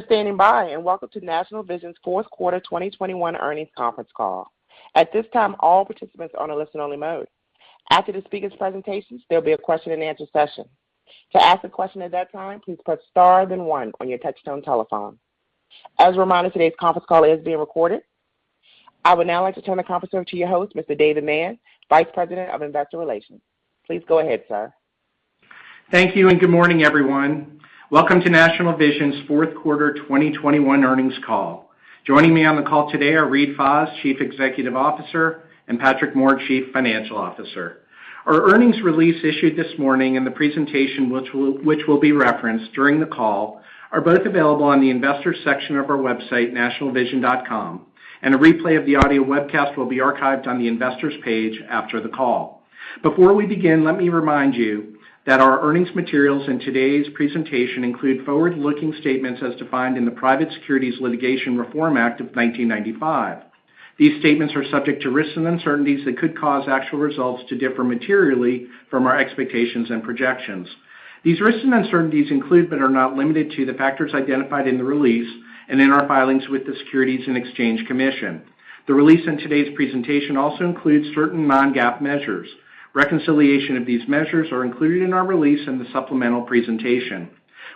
for standing by, and welcome to National Vision's fourth quarter 2021 earnings conference call. At this time, all participants are on a listen-only mode. After the speakers' presentations, there'll be a question and answer session. To ask a question at that time, please press star, then one on your touchtone telephone. As a reminder, today's conference call is being recorded. I would now like to turn the conference over to your host, Mr. David Mann, Vice President of Investor Relations. Please go ahead, sir. Thank you and good morning, everyone. Welcome to National Vision's fourth quarter 2021 earnings call. Joining me on the call today are Reade Fahs, Chief Executive Officer, and Patrick Moore, Chief Financial Officer. Our earnings release issued this morning and the presentation which will be referenced during the call are both available on the investors section of our website, nationalvision.com, and a replay of the audio webcast will be archived on the investors page after the call. Before we begin, let me remind you that our earnings materials in today's presentation include forward-looking statements as defined in the Private Securities Litigation Reform Act of 1995. These statements are subject to risks and uncertainties that could cause actual results to differ materially from our expectations and projections. These risks and uncertainties include, but are not limited to, the factors identified in the release and in our filings with the Securities and Exchange Commission. The release in today's presentation also includes certain non-GAAP measures. Reconciliation of these measures are included in our release in the supplemental presentation.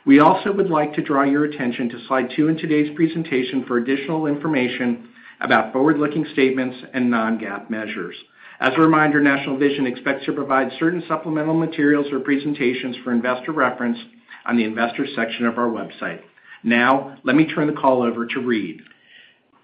We also would like to draw your attention to slide two in today's presentation for additional information about forward-looking statements and non-GAAP measures. As a reminder, National Vision expects to provide certain supplemental materials or presentations for investor reference on the investors section of our website. Now, let me turn the call over to Reade.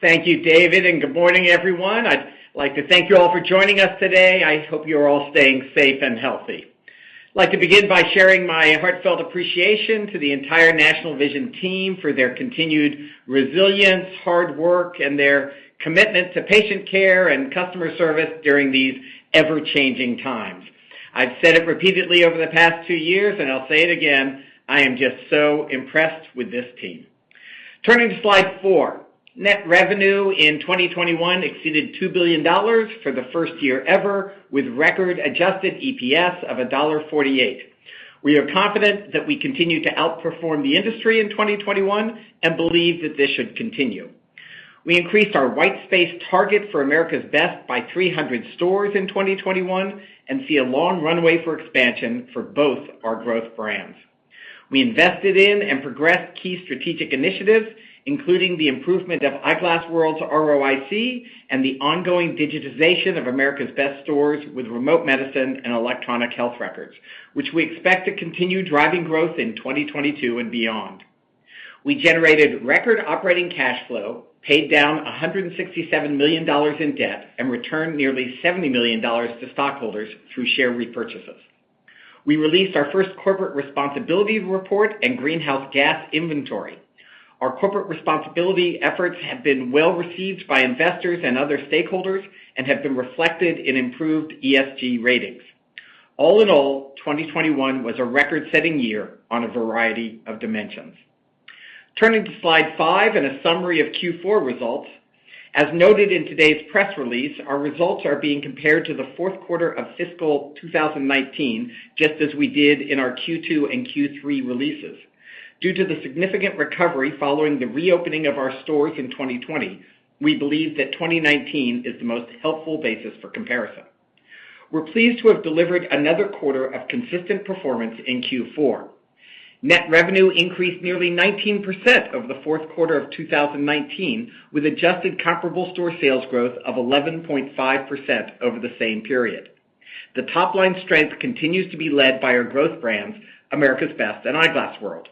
Thank you, David, and good morning, everyone. I'd like to thank you all for joining us today. I hope you're all staying safe and healthy. I'd like to begin by sharing my heartfelt appreciation to the entire National Vision team for their continued resilience, hard work, and their commitment to patient care and customer service during these ever-changing times. I've said it repeatedly over the past two years, and I'll say it again. I am just so impressed with this team. Turning to slide four. Net revenue in 2021 exceeded $2 billion for the first year ever, with record adjusted EPS of $1.48. We are confident that we continue to outperform the industry in 2021 and believe that this should continue. We increased our white space target for America's Best by 300 stores in 2021 and see a long runway for expansion for both our growth brands. We invested in and progressed key strategic initiatives, including the improvement of Eyeglass World's ROIC and the ongoing digitization of America's Best stores with remote medicine and electronic health records, which we expect to continue driving growth in 2022 and beyond. We generated record operating cash flow, paid down $167 million in debt, and returned nearly $70 million to stockholders through share repurchases. We released our first corporate responsibility report and greenhouse gas inventory. Our corporate responsibility efforts have been well-received by investors and other stakeholders and have been reflected in improved ESG ratings. All in all, 2021 was a record-setting year on a variety of dimensions. Turning to slide five and a summary of Q4 results. As noted in today's press release, our results are being compared to the fourth quarter of fiscal 2019, just as we did in our Q2 and Q3 releases. Due to the significant recovery following the reopening of our stores in 2020, we believe that 2019 is the most helpful basis for comparison. We're pleased to have delivered another quarter of consistent performance in Q4. Net revenue increased nearly 19% over the fourth quarter of 2019, with adjusted comparable store sales growth of 11.5% over the same period. The top-line strength continues to be led by our growth brands, America's Best and Eyeglass World.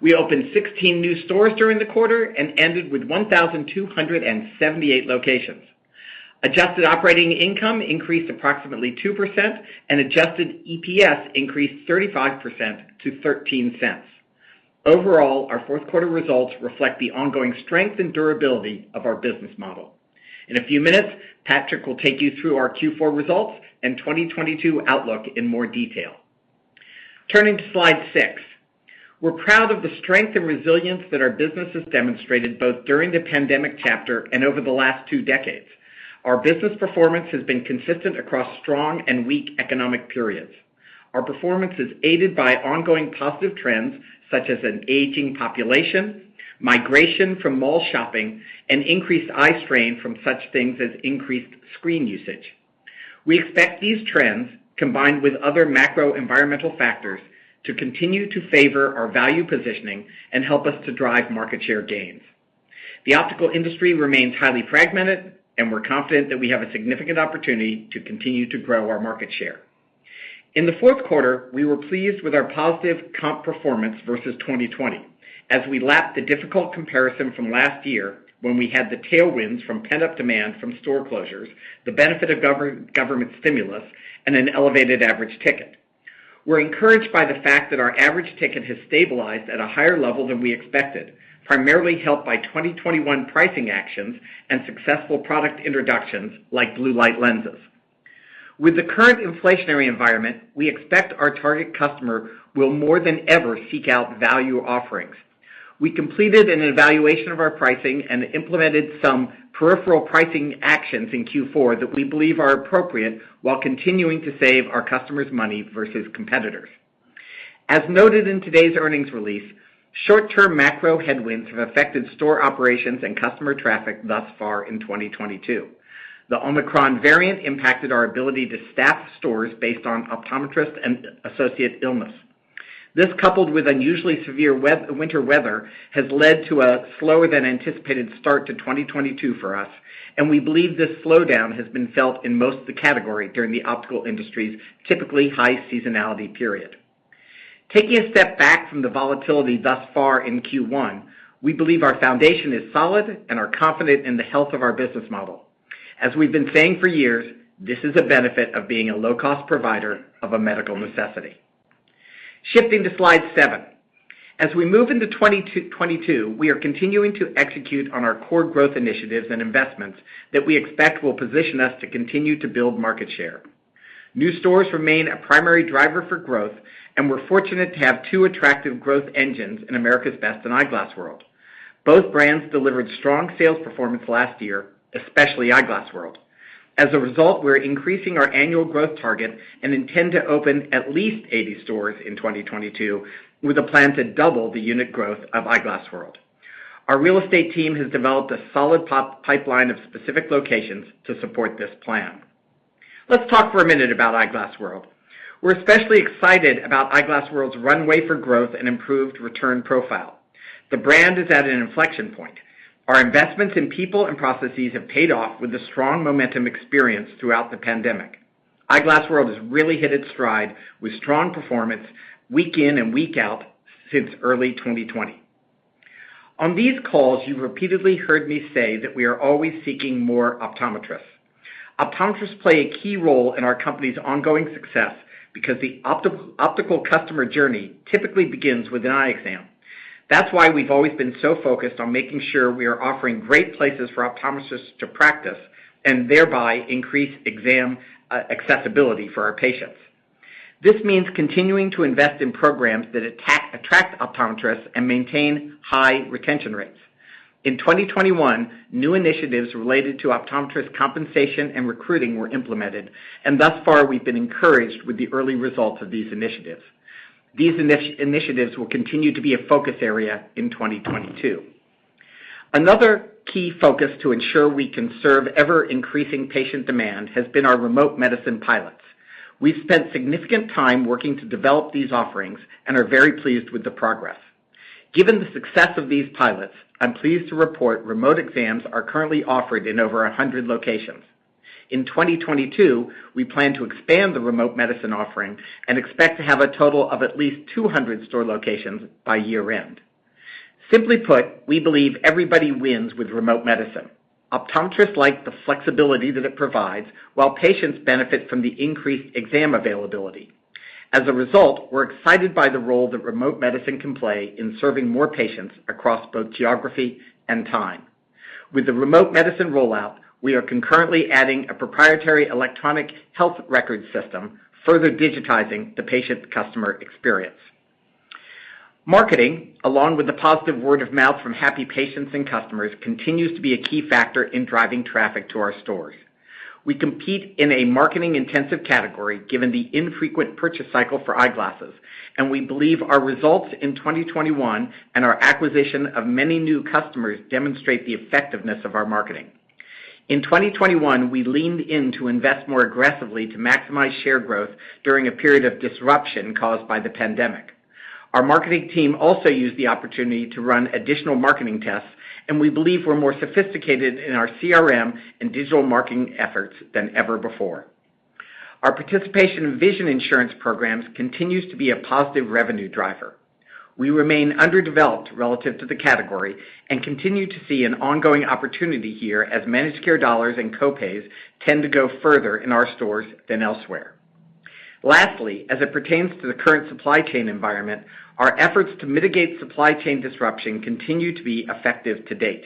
We opened 16 new stores during the quarter and ended with 1,278 locations. Adjusted operating income increased approximately 2% and adjusted EPS increased 35% to $0.13. Overall, our fourth quarter results reflect the ongoing strength and durability of our business model. In a few minutes, Patrick will take you through our Q4 results and 2022 outlook in more detail. Turning to slide six. We're proud of the strength and resilience that our business has demonstrated both during the pandemic chapter and over the last two decades. Our business performance has been consistent across strong and weak economic periods. Our performance is aided by ongoing positive trends such as an aging population, migration from mall shopping, and increased eye strain from such things as increased screen usage. We expect these trends, combined with other macro environmental factors, to continue to favor our value positioning and help us to drive market share gains. The optical industry remains highly fragmented, and we're confident that we have a significant opportunity to continue to grow our market share. In the fourth quarter, we were pleased with our positive comp performance versus 2020 as we lapped the difficult comparison from last year when we had the tailwinds from pent-up demand from store closures, the benefit of government stimulus, and an elevated average ticket. We're encouraged by the fact that our average ticket has stabilized at a higher level than we expected, primarily helped by 2021 pricing actions and successful product introductions like blue light lenses. With the current inflationary environment, we expect our target customer will more than ever seek out value offerings. We completed an evaluation of our pricing and implemented some peripheral pricing actions in Q4 that we believe are appropriate while continuing to save our customers money versus competitors. As noted in today's earnings release, short-term macro headwinds have affected store operations and customer traffic thus far in 2022. The Omicron variant impacted our ability to staff stores based on optometrists and associate illness. This, coupled with unusually severe winter weather, has led to a slower than anticipated start to 2022 for us, and we believe this slowdown has been felt in most of the category during the optical industry's typically high seasonality period. Taking a step back from the volatility thus far in Q1, we believe our foundation is solid and are confident in the health of our business model. As we've been saying for years, this is a benefit of being a low-cost provider of a medical necessity. Shifting to slide seven. As we move into 2022, we are continuing to execute on our core growth initiatives and investments that we expect will position us to continue to build market share. New stores remain a primary driver for growth, and we're fortunate to have two attractive growth engines in America's Best and Eyeglass World. Both brands delivered strong sales performance last year, especially Eyeglass World. As a result, we're increasing our annual growth target and intend to open at least 80 stores in 2022, with a plan to double the unit growth of Eyeglass World. Our real estate team has developed a solid pipeline of specific locations to support this plan. Let's talk for a minute about Eyeglass World. We're especially excited about Eyeglass World's runway for growth and improved return profile. The brand is at an inflection point. Our investments in people and processes have paid off with the strong momentum experienced throughout the pandemic. Eyeglass World has really hit its stride with strong performance week in and week out since early 2020. On these calls, you've repeatedly heard me say that we are always seeking more optometrists. Optometrists play a key role in our company's ongoing success because the optical customer journey typically begins with an eye exam. That's why we've always been so focused on making sure we are offering great places for optometrists to practice and thereby increase exam accessibility for our patients. This means continuing to invest in programs that attract optometrists and maintain high retention rates. In 2021, new initiatives related to optometrists' compensation and recruiting were implemented, and thus far, we've been encouraged with the early results of these initiatives. These initiatives will continue to be a focus area in 2022. Another key focus to ensure we can serve ever-increasing patient demand has been our remote medicine pilots. We've spent significant time working to develop these offerings and are very pleased with the progress. Given the success of these pilots, I'm pleased to report remote exams are currently offered in over 100 locations. In 2022, we plan to expand the remote medicine offering and expect to have a total of at least 200 store locations by year-end. Simply put, we believe everybody wins with remote medicine. Optometrists like the flexibility that it provides, while patients benefit from the increased exam availability. As a result, we're excited by the role that remote medicine can play in serving more patients across both geography and time. With the remote medicine rollout, we are concurrently adding a proprietary electronic health record system, further digitizing the patient customer experience. Marketing, along with the positive word of mouth from happy patients and customers, continues to be a key factor in driving traffic to our stores. We compete in a marketing-intensive category, given the infrequent purchase cycle for eyeglasses, and we believe our results in 2021 and our acquisition of many new customers demonstrate the effectiveness of our marketing. In 2021, we leaned in to invest more aggressively to maximize share growth during a period of disruption caused by the pandemic. Our marketing team also used the opportunity to run additional marketing tests, and we believe we're more sophisticated in our CRM and digital marketing efforts than ever before. Our participation in vision insurance programs continues to be a positive revenue driver. We remain underdeveloped relative to the category and continue to see an ongoing opportunity here as managed care dollars and co-pays tend to go further in our stores than elsewhere. Lastly, as it pertains to the current supply chain environment, our efforts to mitigate supply chain disruption continue to be effective to date.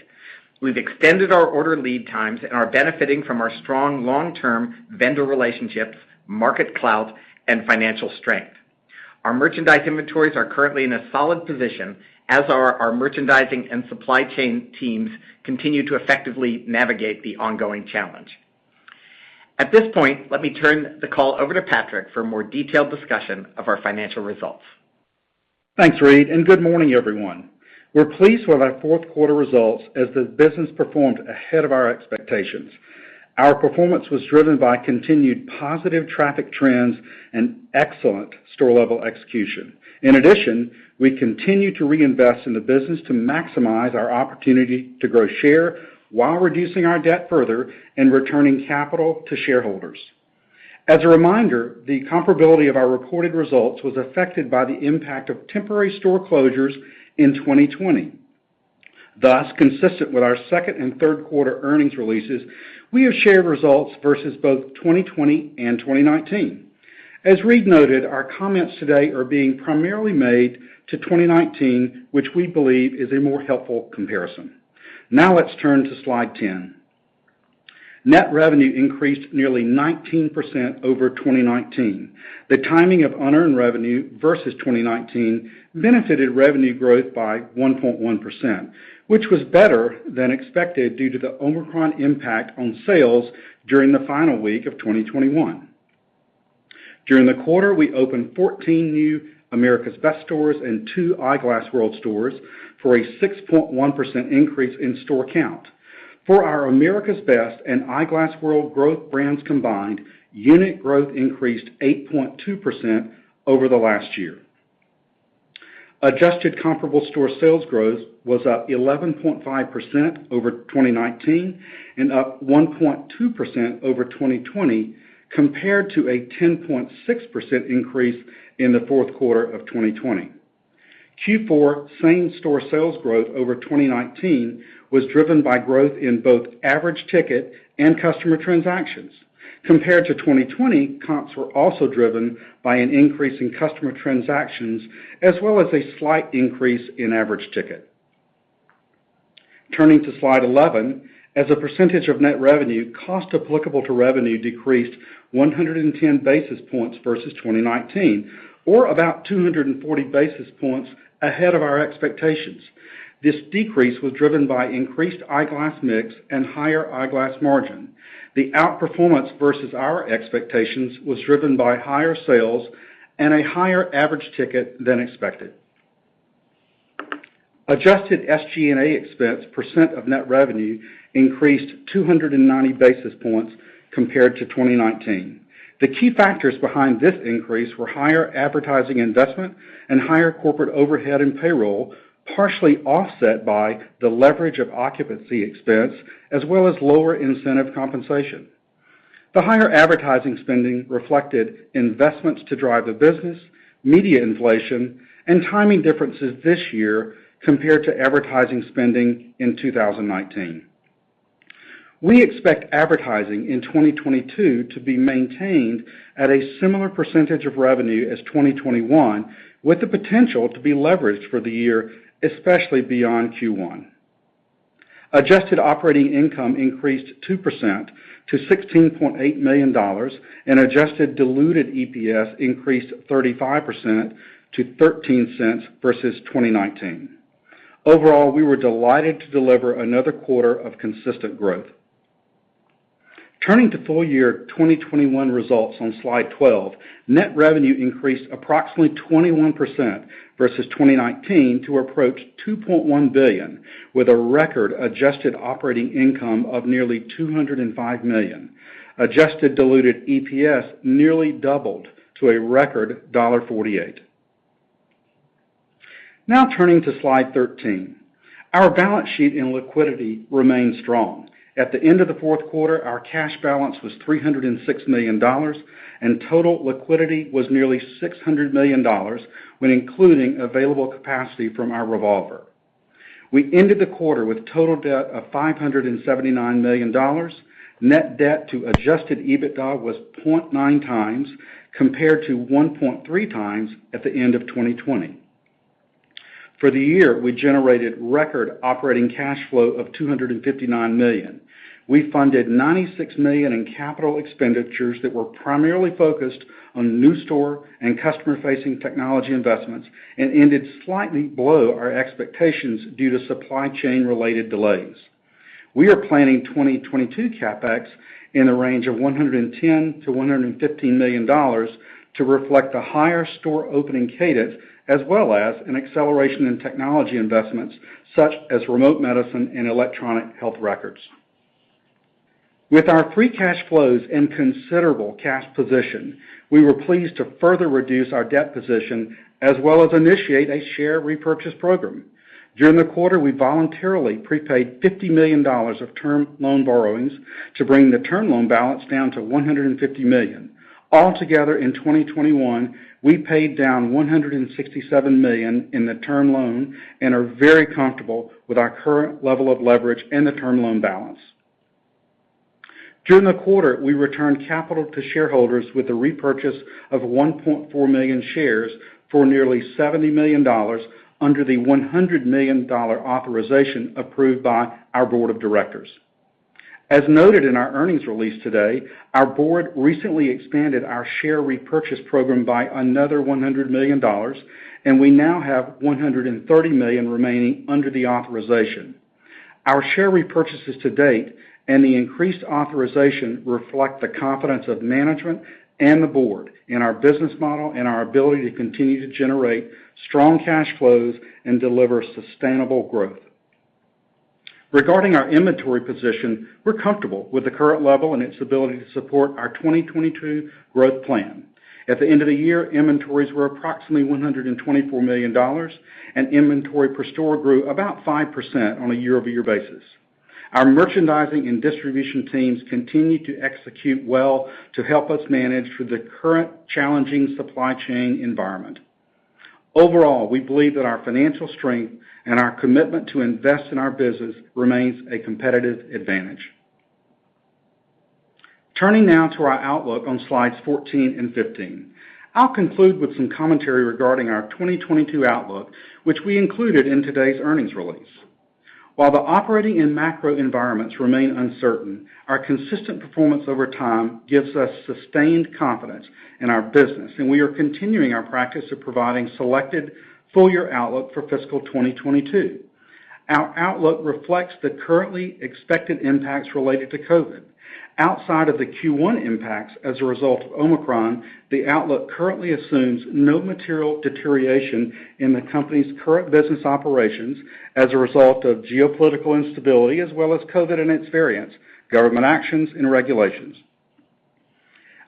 We've extended our order lead times and are benefiting from our strong long-term vendor relationships, market clout, and financial strength. Our merchandise inventories are currently in a solid position, as our merchandising and supply chain teams continue to effectively navigate the ongoing challenge. At this point, let me turn the call over to Patrick for a more detailed discussion of our financial results. Thanks, Reade, and good morning, everyone. We're pleased with our fourth quarter results as the business performed ahead of our expectations. Our performance was driven by continued positive traffic trends and excellent store-level execution. In addition, we continue to reinvest in the business to maximize our opportunity to grow share while reducing our debt further and returning capital to shareholders. As a reminder, the comparability of our reported results was affected by the impact of temporary store closures in 2020. Thus, consistent with our second and third quarter earnings releases, we have shared results versus both 2020 and 2019. As Reade noted, our comments today are being primarily made to 2019, which we believe is a more helpful comparison. Now let's turn to slide 10. Net revenue increased nearly 19% over 2019. The timing of unearned revenue versus 2019 benefited revenue growth by 1.1%, which was better than expected due to the Omicron impact on sales during the final week of 2021. During the quarter, we opened 14 new America's Best stores and 2 Eyeglass World stores for a 6.1% increase in store count. For our America's Best and Eyeglass World growth brands combined, unit growth increased 8.2% over the last year. Adjusted comparable store sales growth was up 11.5% over 2019, and up 1.2% over 2020 compared to a 10.6% increase in the fourth quarter of 2020. Q4 same-store sales growth over 2019 was driven by growth in both average ticket and customer transactions. Compared to 2020, comps were also driven by an increase in customer transactions as well as a slight increase in average ticket. Turning to slide 11, as a percentage of net revenue, cost applicable to revenue decreased 110 basis points versus 2019 or about 240 basis points ahead of our expectations. This decrease was driven by increased eyeglass mix and higher eyeglass margin. The outperformance versus our expectations was driven by higher sales and a higher average ticket than expected. Adjusted SG&A expense percent of net revenue increased 290 basis points compared to 2019. The key factors behind this increase were higher advertising investment and higher corporate overhead and payroll, partially offset by the leverage of occupancy expense as well as lower incentive compensation. The higher advertising spending reflected investments to drive the business, media inflation, and timing differences this year compared to advertising spending in 2019. We expect advertising in 2022 to be maintained at a similar percentage of revenue as 2021, with the potential to be leveraged for the year, especially beyond Q1. Adjusted operating income increased 2% to $16.8 million and adjusted diluted EPS increased 35% to $0.13 versus 2019. Overall, we were delighted to deliver another quarter of consistent growth. Turning to full year 2021 results on slide 12, net revenue increased approximately 21% versus 2019 to approach $2.1 billion, with a record adjusted operating income of nearly $205 million. Adjusted diluted EPS nearly doubled to a record $1.48. Now turning to slide 13, our balance sheet and liquidity remain strong. At the end of the fourth quarter, our cash balance was $306 million, and total liquidity was nearly $600 million when including available capacity from our revolver. We ended the quarter with total debt of $579 million. Net debt to adjusted EBITDA was 0.9x compared to 1.3x at the end of 2020. For the year, we generated record operating cash flow of $259 million. We funded $96 million in capital expenditures that were primarily focused on new store and customer-facing technology investments and ended slightly below our expectations due to supply chain-related delays. We are planning 2022 CapEx in the range of $110 million-$115 million to reflect the higher store opening cadence as well as an acceleration in technology investments such as remote medicine and electronic health records. With our free cash flows and considerable cash position, we were pleased to further reduce our debt position as well as initiate a share repurchase program. During the quarter, we voluntarily prepaid $50 million of term loan borrowings to bring the term loan balance down to $150 million. All together in 2021, we paid down $167 million in the term loan and are very comfortable with our current level of leverage and the term loan balance. During the quarter, we returned capital to shareholders with the repurchase of 1.4 million shares for nearly $70 million under the $100 million authorization approved by our board of directors. As noted in our earnings release today, our board recently expanded our share repurchase program by another $100 million, and we now have $130 million remaining under the authorization. Our share repurchases to date and the increased authorization reflect the confidence of management and the board in our business model and our ability to continue to generate strong cash flows and deliver sustainable growth. Regarding our inventory position, we're comfortable with the current level and its ability to support our 2022 growth plan. At the end of the year, inventories were approximately $124 million, and inventory per store grew about 5% on a year-over-year basis. Our merchandising and distribution teams continue to execute well to help us manage through the current challenging supply chain environment. Overall, we believe that our financial strength and our commitment to invest in our business remains a competitive advantage. Turning now to our outlook on slides 14 and 15. I'll conclude with some commentary regarding our 2022 outlook, which we included in today's earnings release. While the operating and macro environments remain uncertain, our consistent performance over time gives us sustained confidence in our business, and we are continuing our practice of providing selected full year outlook for fiscal 2022. Our outlook reflects the currently expected impacts related to COVID. Outside of the Q1 impacts as a result of Omicron, the outlook currently assumes no material deterioration in the company's current business operations as a result of geopolitical instability as well as COVID and its variants, government actions and regulations.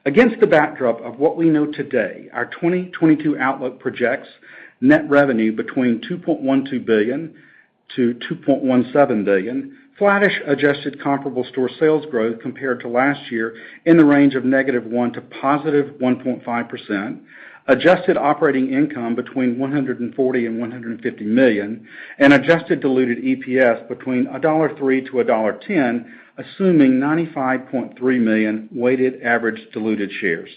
Against the backdrop of what we know today, our 2022 outlook projects net revenue between $2.12 billion-$2.17 billion, flattish adjusted comparable store sales growth compared to last year in the range of -1% to +1.5%, adjusted operating income between $140 million-$150 million, and adjusted diluted EPS between $1.03-$1.10, assuming 95.3 million weighted average diluted shares.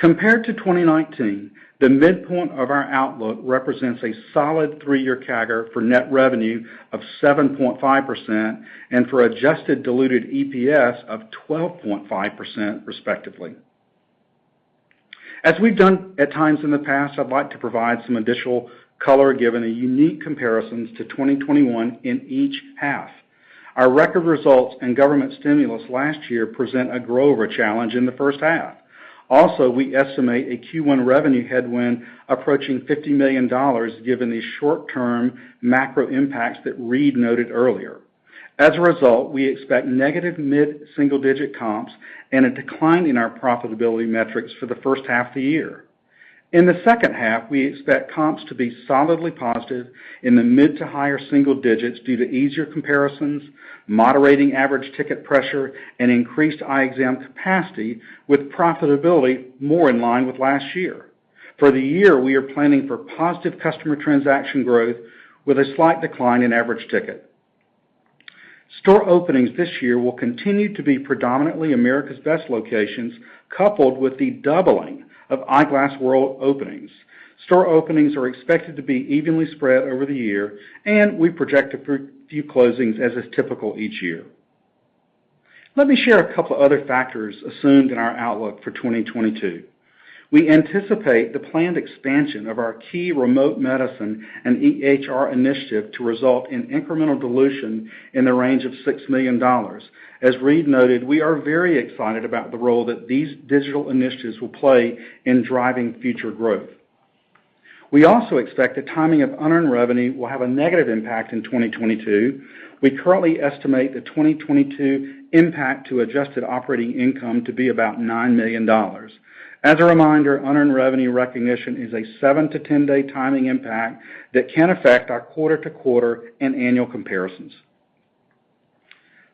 Compared to 2019, the midpoint of our outlook represents a solid three year CAGR for net revenue of 7.5% and for adjusted diluted EPS of 12.5% respectively. As we've done at times in the past, I'd like to provide some additional color given the unique comparisons to 2021 in each half. Our record results and government stimulus last year present a grow over challenge in the first half. Also, we estimate a Q1 revenue headwind approaching $50 million given the short-term macro impacts that Reade noted earlier. As a result, we expect negative mid-single-digit comps and a decline in our profitability metrics for the first half of the year. In the second half, we expect comps to be solidly positive in the mid to higher single digits due to easier comparisons, moderating average ticket pressure, and increased eye exam capacity with profitability more in line with last year. For the year, we are planning for positive customer transaction growth with a slight decline in average ticket. Store openings this year will continue to be predominantly America's Best locations coupled with the doubling of Eyeglass World openings. Store openings are expected to be evenly spread over the year, and we project a few closings as is typical each year. Let me share a couple other factors assumed in our outlook for 2022. We anticipate the planned expansion of our key remote medicine and EHR initiative to result in incremental dilution in the range of $6 million. As Reade noted, we are very excited about the role that these digital initiatives will play in driving future growth. We also expect the timing of unearned revenue will have a negative impact in 2022. We currently estimate the 2022 impact to adjusted operating income to be about $9 million. As a reminder, unearned revenue recognition is a seven to 10-day timing impact that can affect our quarter to quarter and annual comparisons.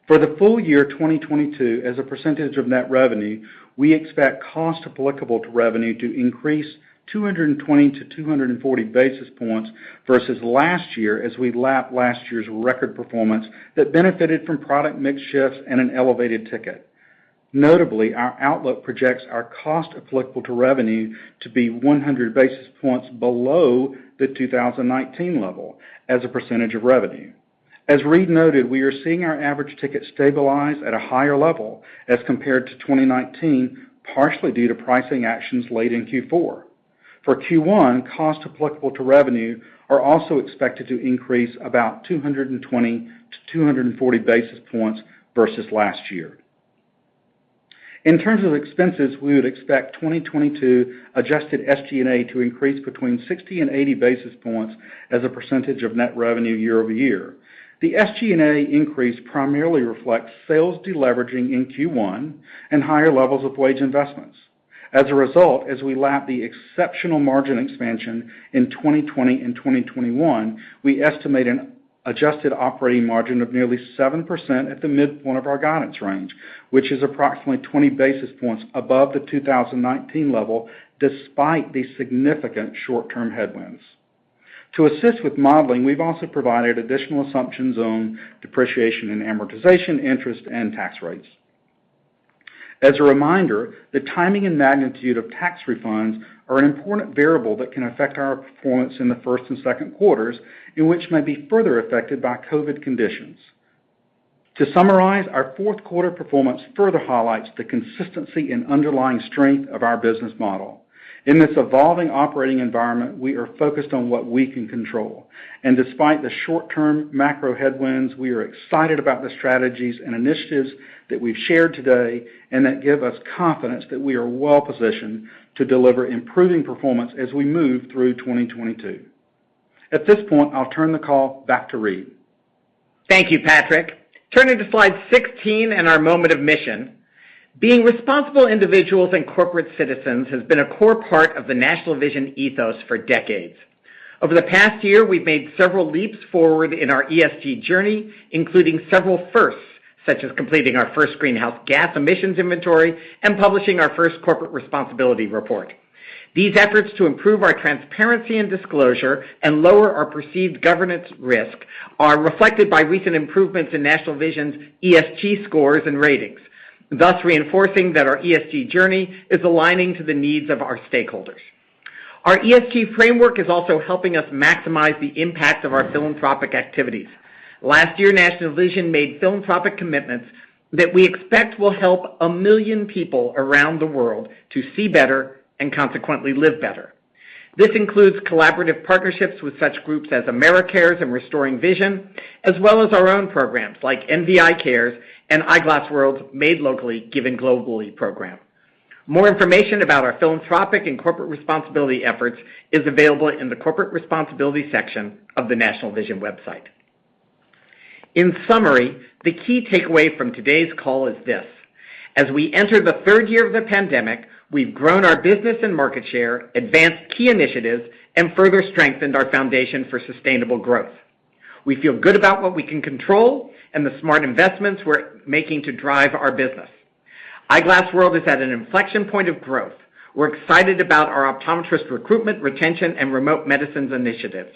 For the full year 2022 as a percentage of net revenue, we expect cost applicable to revenue to increase 220-240 basis points versus last year as we lap last year's record performance that benefited from product mix shifts and an elevated ticket. Notably, our outlook projects our cost applicable to revenue to be 100 basis points below the 2019 level as a percentage of revenue. As Reade noted, we are seeing our average ticket stabilize at a higher level as compared to 2019, partially due to pricing actions late in Q4. For Q1, costs applicable to revenue are also expected to increase about 220-240 basis points versus last year. In terms of expenses, we would expect 2022 adjusted SG&A to increase between 60 and 80 basis points as a percentage of net revenue year over year. The SG&A increase primarily reflects sales deleveraging in Q1 and higher levels of wage investments. As a result, as we lap the exceptional margin expansion in 2020 and 2021, we estimate an adjusted operating margin of nearly 7% at the midpoint of our guidance range, which is approximately 20 basis points above the 2019 level despite the significant short-term headwinds. To assist with modeling, we've also provided additional assumptions on depreciation and amortization interest and tax rates. As a reminder, the timing and magnitude of tax refunds are an important variable that can affect our performance in the first and second quarters in which it may be further affected by COVID conditions. To summarize, our fourth quarter performance further highlights the consistency and underlying strength of our business model. In this evolving operating environment, we are focused on what we can control. Despite the short-term macro headwinds, we are excited about the strategies and initiatives that we've shared today and that give us confidence that we are well positioned to deliver improving performance as we move through 2022. At this point, I'll turn the call back to Reade Fahs. Thank you, Patrick. Turning to slide 16 and our moment of mission. Being responsible individuals and corporate citizens has been a core part of the National Vision ethos for decades. Over the past year, we've made several leaps forward in our ESG journey, including several firsts, such as completing our first greenhouse gas emissions inventory and publishing our first corporate responsibility report. These efforts to improve our transparency and disclosure and lower our perceived governance risk are reflected by recent improvements in National Vision's ESG scores and ratings, thus reinforcing that our ESG journey is aligning to the needs of our stakeholders. Our ESG framework is also helping us maximize the impact of our philanthropic activities. Last year, National Vision made philanthropic commitments that we expect will help 1 million people around the world to see better and consequently live better. This includes collaborative partnerships with such groups as Americares and RestoringVision, as well as our own programs like NVI Cares and Eyeglass World's Made Locally, Given Globally program. More information about our philanthropic and corporate responsibility efforts is available in the corporate responsibility section of the National Vision website. In summary, the key takeaway from today's call is this. As we enter the third year of the pandemic, we've grown our business and market share, advanced key initiatives, and further strengthened our foundation for sustainable growth. We feel good about what we can control and the smart investments we're making to drive our business. Eyeglass World is at an inflection point of growth. We're excited about our optometrist recruitment, retention, and remote medicines initiatives.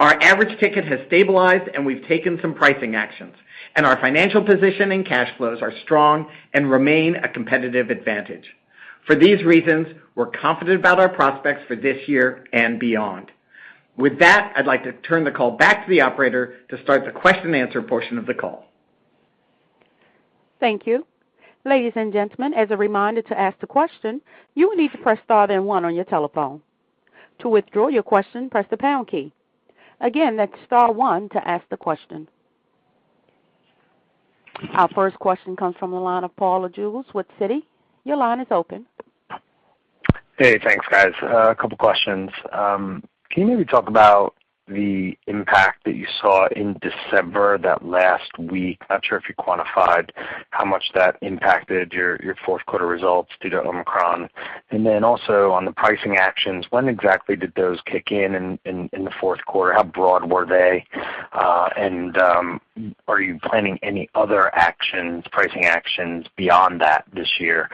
Our average ticket has stabilized, and we've taken some pricing actions, and our financial position and cash flows are strong and remain a competitive advantage. For these reasons, we're confident about our prospects for this year and beyond. With that, I'd like to turn the call back to the operator to start the question and answer portion of the call. Thank you. Ladies and gentlemen, as a reminder, to ask the question, you will need to press star then one on your telephone. To withdraw your question, press the pound key. Again, that's star one to ask the question. Our first question comes from the line of Paul Lejuez with Citi. Your line is open. Hey, thanks, guys. A couple questions. Can you maybe talk about the impact that you saw in December, that last week? Not sure if you quantified how much that impacted your fourth quarter results due to Omicron. On the pricing actions, when exactly did those kick in in the fourth quarter? How broad were they? Are you planning any other pricing actions beyond that this year?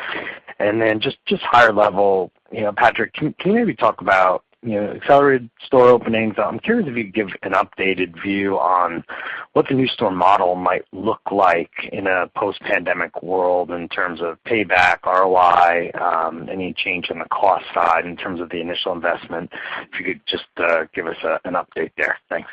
Just higher level, you know, Patrick, can you maybe talk about, you know, accelerated store openings? I'm curious if you could give an updated view on what the new store model might look like in a post-pandemic world in terms of payback, ROI, any change in the cost side in terms of the initial investment? If you could just give us an update there. Thanks.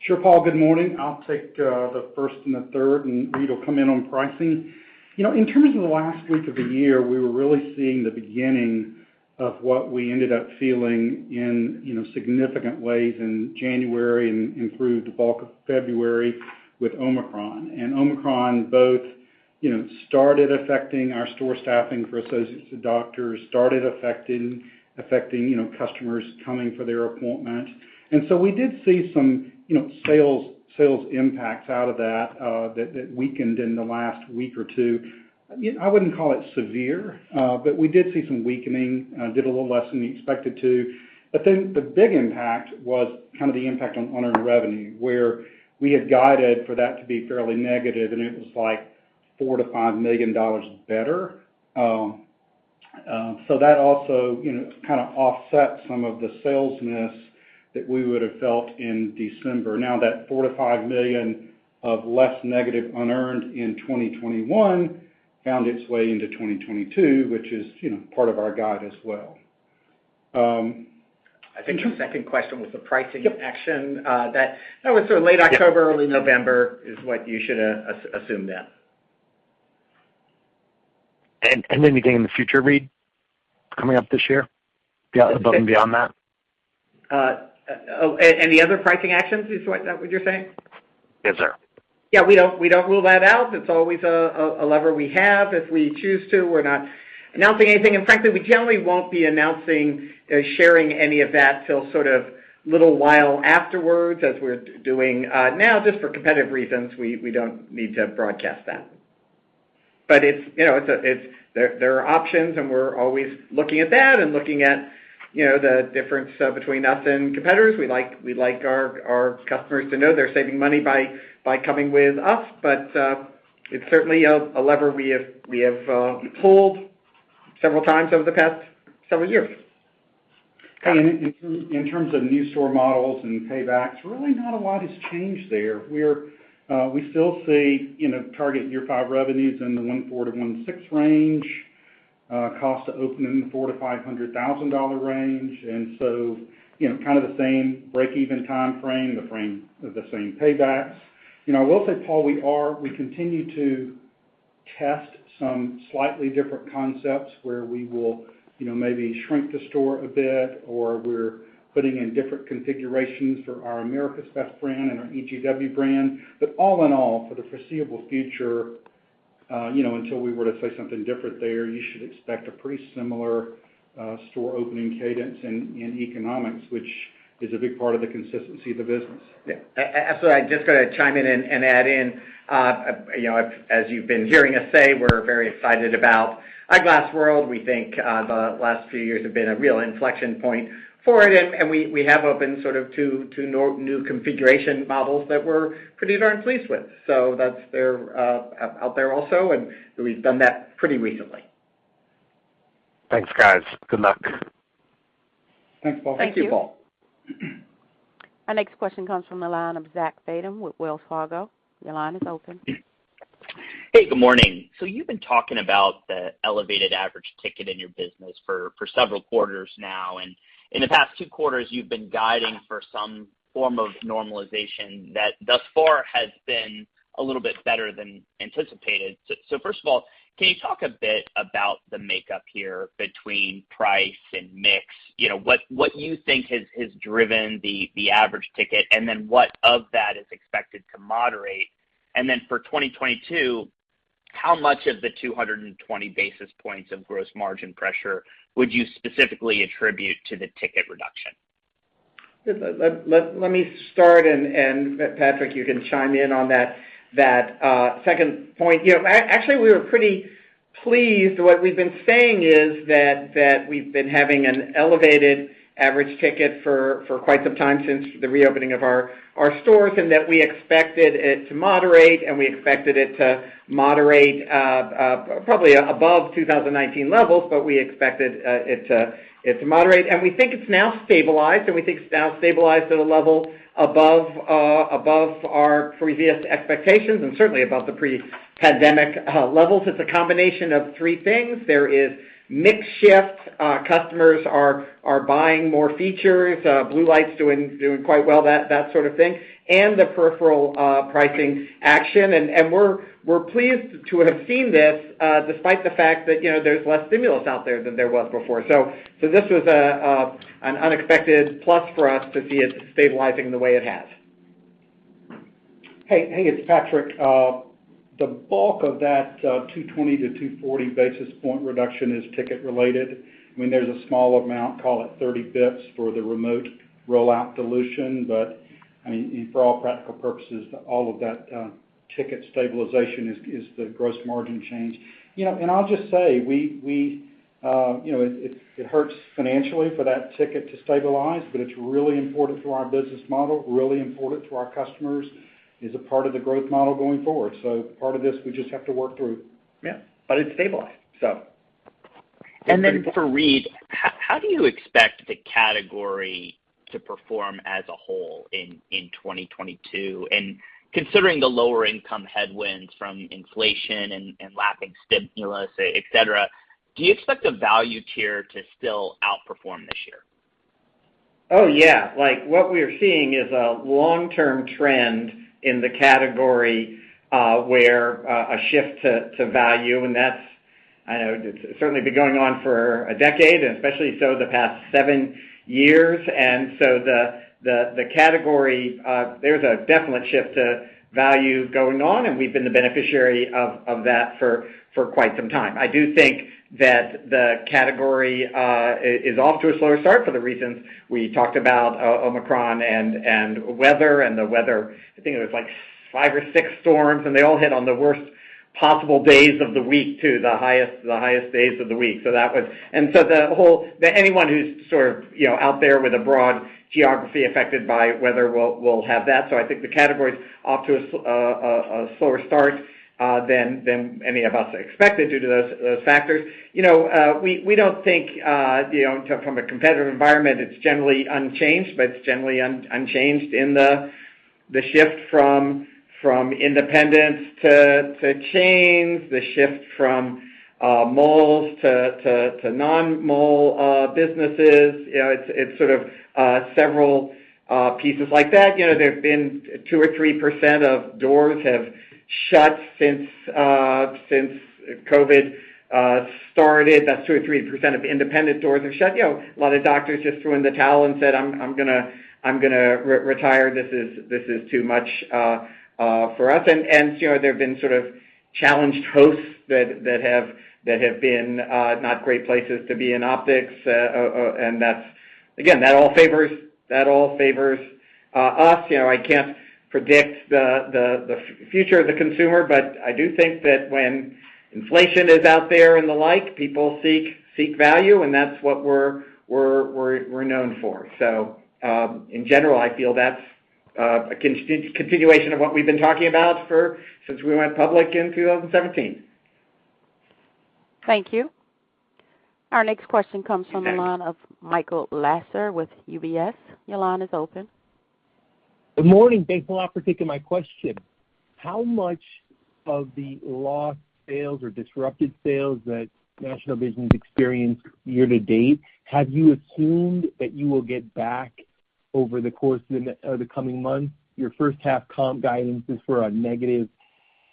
Sure, Paul. Good morning. I'll take the first and the third, and Reade will come in on pricing. You know, in terms of the last week of the year, we were really seeing the beginning of what we ended up feeling in, you know, significant ways in January and through the bulk of February with Omicron. Omicron both, you know, started affecting our store staffing for associates to doctors, started affecting, you know, customers coming for their appointment. We did see some, you know, sales impacts out of that weakened in the last week or two. You know, I wouldn't call it severe, but we did see some weakening, did a little less than we expected to. The big impact was kind of the impact on unearned revenue, where we had guided for that to be fairly negative, and it was, like, $4 million-$5 million better. That also, you know, kind of offset some of the sales miss that we would have felt in December. Now that $4 million-$5 million of less negative unearned in 2021 found its way into 2022, which is, you know, part of our guide as well. I think your second question was the pricing action. Yep. That was sort of late October. Yep. Early November is what you should assume then. Anything in the future, Reade, coming up this year above and beyond that? Any other pricing actions is what, that what you're saying? Yes, sir. Yeah, we don't rule that out. It's always a lever we have if we choose to. We're not announcing anything, and frankly, we generally won't be announcing or sharing any of that till a little while afterwards as we're doing now. Just for competitive reasons, we don't need to broadcast that. But it's, you know, there are options, and we're always looking at that and, you know, the difference between us and competitors. We'd like our customers to know they're saving money by coming with us. But it's certainly a lever we have pulled several times over the past several years. In terms of new store models and paybacks, really not a lot has changed there. We still see, you know, target year five revenues in the $1.4-$1.6 range, cost to open in the $400,000-$500,000 range. You know, kind of the same break-even timeframe, the same paybacks. You know, I will say, Paul, we continue to test some slightly different concepts where we will, you know, maybe shrink the store a bit, or we're putting in different configurations for our America's Best brand and our EGW brand. All in all, for the foreseeable future, you know, until we were to say something different there, you should expect a pretty similar store opening cadence and economics, which is a big part of the consistency of the business. Yeah. Absolutely. I'm just gonna chime in and add in, you know, as you've been hearing us say, we're very excited about Eyeglass World. We think, the last few years have been a real inflection point for it, and we have opened sort of two new configuration models that we're pretty darn pleased with. That's their out there also, and we've done that pretty recently. Thanks, guys. Good luck. Thanks, Paul. Thank you. Thank you, Paul. Our next question comes from the line of Zach Fadem with Wells Fargo. Your line is open. Hey, good morning. You've been talking about the elevated average ticket in your business for several quarters now. In the past two quarters, you've been guiding for some form of normalization that thus far has been a little bit better than anticipated. First of all, can you talk a bit about the makeup here between price and mix? You know, what you think has driven the average ticket, and then what of that is expected to moderate? For 2022, how much of the 220 basis points of gross margin pressure would you specifically attribute to the ticket reduction? Let me start, and Patrick, you can chime in on that second point. You know, actually we were pretty pleased. What we've been saying is that we've been having an elevated average ticket for quite some time since the reopening of our stores, and that we expected it to moderate, probably above 2019 levels, but we expected it to moderate. We think it's now stabilized at a level above our previous expectations and certainly above the pre-pandemic levels. It's a combination of three things. There is mix shift, customers are buying more features, blue light's doing quite well, that sort of thing, and the peripheral pricing action. We're pleased to have seen this despite the fact that, you know, there's less stimulus out there than there was before. This was an unexpected plus for us to see it stabilizing the way it has. Hey, hey, it's Patrick. The bulk of that 220-240 basis point reduction is ticket related. I mean, there's a small amount, call it 30 bps for the remote rollout dilution. But I mean, for all practical purposes, all of that ticket stabilization is the gross margin change. You know, and I'll just say we, you know, it hurts financially for that ticket to stabilize, but it's really important to our business model, really important to our customers, is a part of the growth model going forward. Part of this, we just have to work through. Yeah, it's stabilized, so. Then for Reade, how do you expect the category to perform as a whole in 2022? Considering the lower income headwinds from inflation and lacking stimulus, et cetera, do you expect the value tier to still outperform this year? Oh, yeah. Like, what we are seeing is a long-term trend in the category, where a shift to value, and that's, I know it's certainly been going on for a decade and especially so the past seven years. The category, there's a definite shift to value going on, and we've been the beneficiary of that for quite some time. I do think that the category is off to a slower start for the reasons we talked about, Omicron and weather. The weather, I think it was like five or six storms, and they all hit on the worst possible days of the week too, the highest days of the week. So that was the whole. Anyone who's sort of, you know, out there with a broad geography affected by weather will have that. I think the category's off to a slower start than any of us expected due to those factors. You know, we don't think, you know, from a competitive environment, it's generally unchanged, but it's generally unchanged in the shift from independents to chains, the shift from malls to non-mall businesses. You know, it's sort of several pieces like that. You know, there have been 2%-3% of doors have shut since COVID started. That's 2%-3% of independent doors have shut. You know, a lot of doctors just threw in the towel and said, I'm gonna retire. This is too much for us. You know, there have been sort of challenged hosts that have been not great places to be in optics. That's all favors us. You know, I can't predict the future of the consumer, but I do think that when inflation is out there and the like, people seek value, and that's what we're known for. In general, I feel that's a continuation of what we've been talking about since we went public in 2017. Thank you. Our next question comes from the line of Michael Lasser with UBS. Your line is open. Good morning. Thanks a lot for taking my question. How much of the lost sales or disrupted sales that National Vision's experienced year to date have you assumed that you will get back over the course of the coming months? Your first half comp guidance is for a negative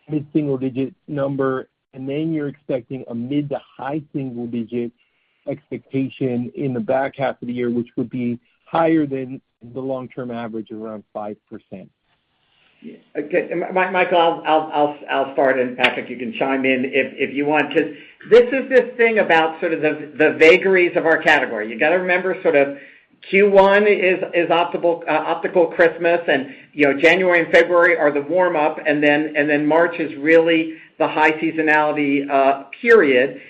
mid-single digit number, and then you're expecting a mid to high single digit expectation in the back half of the year, which would be higher than the long-term average around 5%. Okay. Michael, I'll start, and Patrick, you can chime in if you want. Just this is the thing about sort of the vagaries of our category. You gotta remember sort of Q1 is optical Christmas and, you know, January and February are the warm-up, and then March is really the high seasonality period.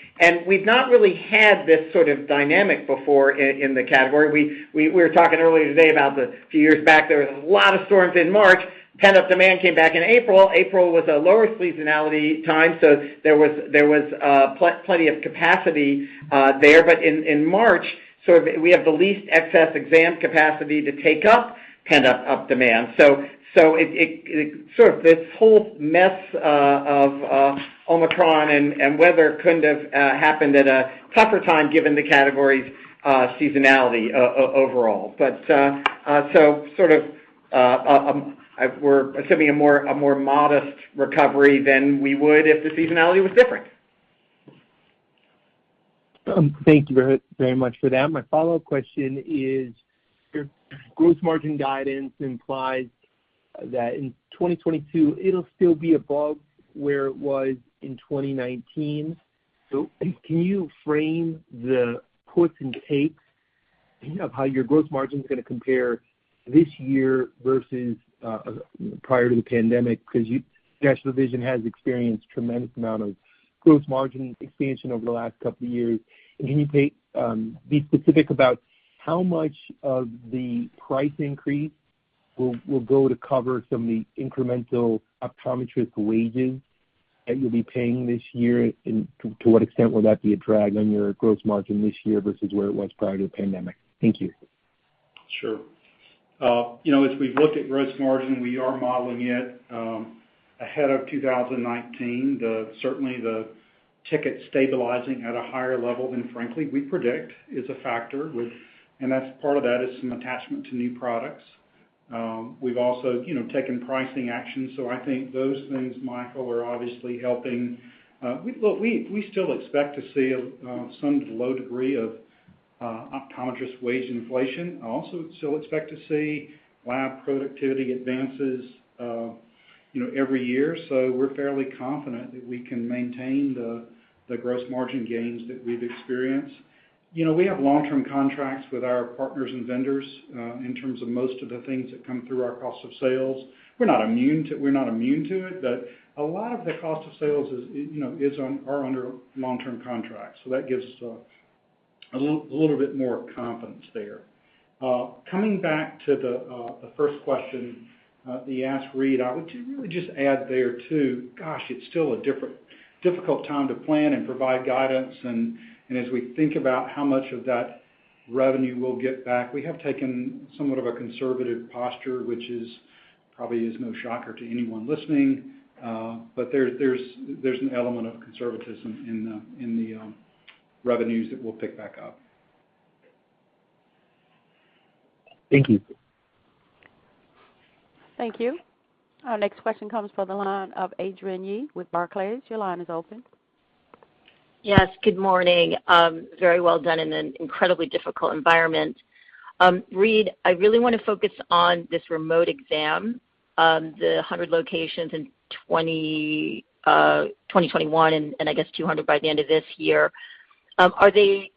We've not really had this sort of dynamic before in the category. We were talking earlier today about the few years back, there was a lot of storms in March. Pent-up demand came back in April. April was a lower seasonality time, so there was plenty of capacity there. In March, sort of we have the least excess exam capacity to take up pent-up demand. It's sort of this whole mess of Omicron and weather couldn't have happened at a tougher time given the category's seasonality overall. Sort of, we're assuming a more modest recovery than we would if the seasonality was different. Thank you very, very much for that. My follow-up question is, your gross margin guidance implies that in 2022, it'll still be above where it was in 2019. Can you frame the puts and takes of how your gross margin is gonna compare this year versus prior to the pandemic? Because National Vision has experienced tremendous amount of gross margin expansion over the last couple of years. Can you be specific about how much of the price increase will go to cover some of the incremental optometrist wages that you'll be paying this year, and to what extent will that be a drag on your gross margin this year versus where it was prior to the pandemic? Thank you. Sure. You know, as we've looked at gross margin, we are modeling it ahead of 2019. Certainly the ticket stabilizing at a higher level than frankly we predict is a factor with that. That's part of that is some attachment to new products. We've also, you know, taken pricing actions, so I think those things, Michael, are obviously helping. Look, we still expect to see some low degree of optometrist wage inflation. Also still expect to see lab productivity advances, you know, every year. We're fairly confident that we can maintain the gross margin gains that we've experienced. You know, we have long-term contracts with our partners and vendors in terms of most of the things that come through our cost of sales. We're not immune to it. A lot of the cost of sales, you know, are under long-term contracts. That gives us a little bit more confidence there. Coming back to the first question that you asked Reade, I would really just add there, too, gosh, it's still a difficult time to plan and provide guidance. As we think about how much of that revenue we'll get back, we have taken somewhat of a conservative posture, which is probably no shocker to anyone listening. There's an element of conservatism in the revenues that we'll pick back up. Thank you. Thank you. Our next question comes from the line of Adrienne Yih with Barclays. Your line is open. Yes, good morning. Very well done in an incredibly difficult environment. Reade, I really wanna focus on this remote exam, the 100 locations in 2021, and I guess 200 by the end of this year. Are these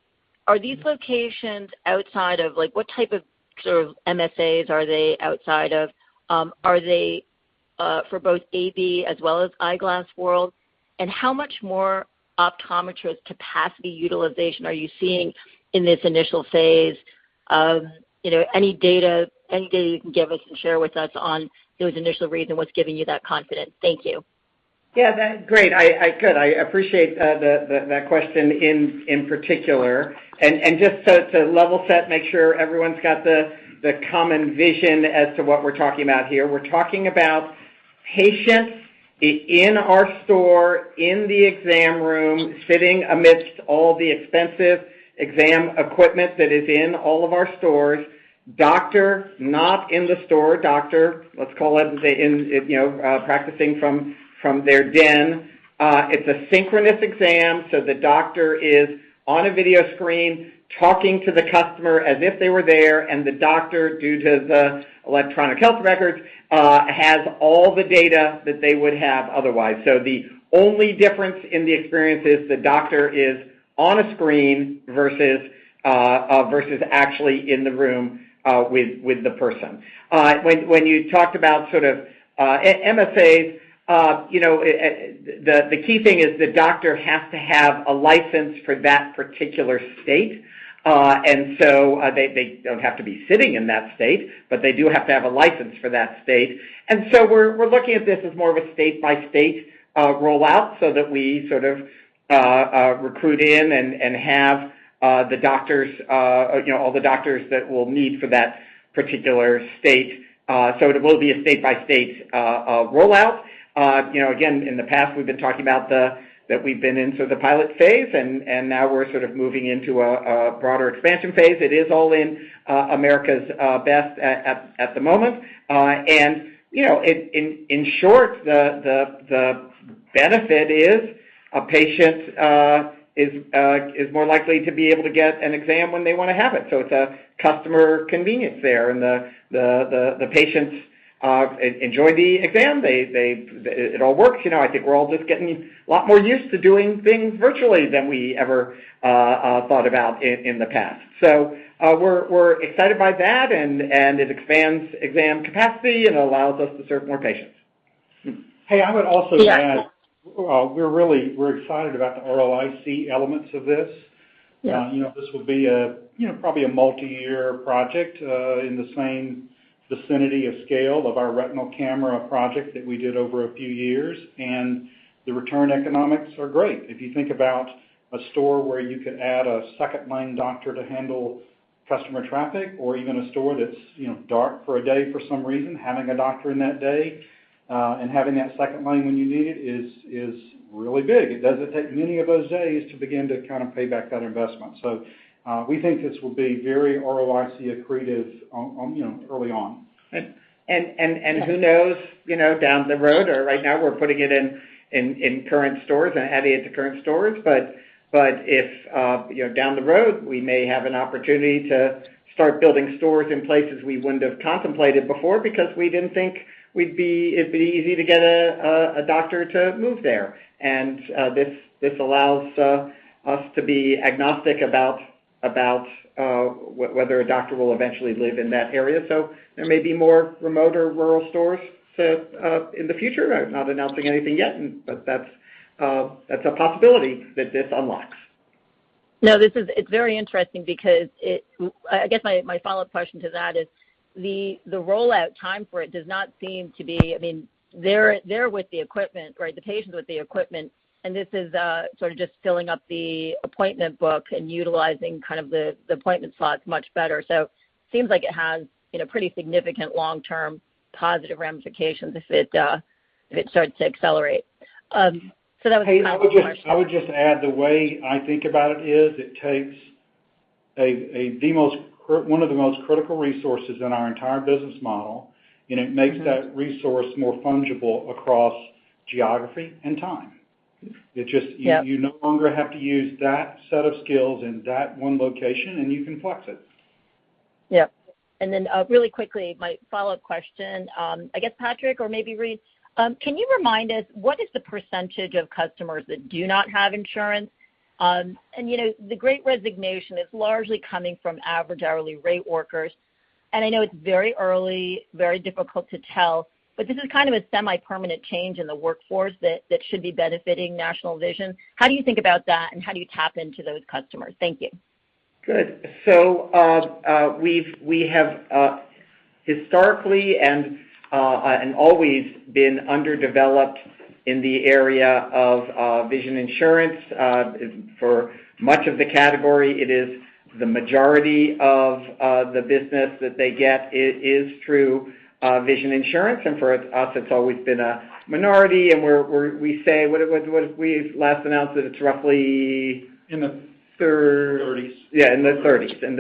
locations outside of, like what type of sort of MSAs are they outside of? Are they for both AB as well as Eyeglass World? How much more optometrist capacity utilization are you seeing in this initial phase of, you know, any data you can give us and share with us on those initial reads and what's giving you that confidence? Thank you. Yeah, that's great. I appreciate that question in particular. Just to level set, make sure everyone's got the common vision as to what we're talking about here. We're talking about patients in our store, in the exam room, sitting amidst all the expensive exam equipment that is in all of our stores. Doctor not in the store doctor, let's call it, you know, practicing from their den. It's a synchronous exam, so the doctor is on a video screen talking to the customer as if they were there, and the doctor, due to the electronic health records, has all the data that they would have otherwise. The only difference in the experience is the doctor is on a screen versus actually in the room with the person. When you talked about sort of MSAs, you know, the key thing is the doctor has to have a license for that particular state. They don't have to be sitting in that state, but they do have to have a license for that state. We're looking at this as more of a state-by-state rollout so that we sort of recruit in and have the doctors, you know, all the doctors that we'll need for that particular state. It will be a state-by-state rollout. You know, again, in the past, we've been talking about that we've been in sort of the pilot phase, and now we're sort of moving into a broader expansion phase. It is all in America's Best at the moment. You know, in short, the benefit is a patient is more likely to be able to get an exam when they wanna have it. It's a customer convenience there. The patients enjoy the exam. It all works. You know, I think we're all just getting a lot more used to doing things virtually than we ever thought about in the past. We're excited by that, and it expands exam capacity and allows us to serve more patients. Hey, I would also add. Yeah. We're excited about the ROIC elements of this. Yeah. You know, this will be a, you know, probably a multi-year project in the same vicinity of scale of our retinal camera project that we did over a few years. The return economics are great. If you think about a store where you could add a second line doctor to handle customer traffic or even a store that's, you know, dark for a day for some reason, having a doctor in that day and having that second lane when you need it is really big. It doesn't take many of those days to begin to kind of pay back that investment. We think this will be very ROIC accretive on, you know, early on. Who knows, you know, down the road or right now we're putting it in current stores and adding it to current stores. If you know, down the road, we may have an opportunity to start building stores in places we wouldn't have contemplated before because we didn't think it'd be easy to get a doctor to move there. This allows us to be agnostic about whether a doctor will eventually live in that area. There may be more remote or rural stores in the future. I'm not announcing anything yet. That's a possibility that this unlocks. No, it's very interesting because it. I guess my follow-up question to that is the rollout time for it does not seem to be. I mean, they're with the equipment, right? The patients with the equipment, and this is sort of just filling up the appointment book and utilizing kind of the appointment slots much better. Seems like it has, you know, pretty significant long-term positive ramifications if it starts to accelerate. That was my follow-up question. I would just add the way I think about it is it takes one of the most critical resources in our entire business model, and it makes that resource more fungible across geography and time. Yep. It just, you no longer have to use that set of skills in that one location, and you can flex it. Yep. Really quickly, my follow-up question. I guess, Patrick, or maybe Reade, can you remind us what is the percentage of customers that do not have insurance? You know, the Great Resignation is largely coming from average hourly rate workers. I know it's very early, very difficult to tell, but this is kind of a semi-permanent change in the workforce that should be benefiting National Vision. How do you think about that, and how do you tap into those customers? Thank you. Good. We have historically and always been underdeveloped in the area of vision insurance. For much of the category, it is the majority of the business that they get is through vision insurance. For us, it's always been a minority, and we say what we last announced that it's roughly- In the thirties. Yeah, in the thirties. Think